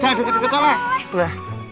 jangan deket deket soleh